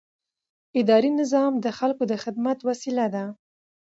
اداري نظام د خلکو د خدمت وسیله ده.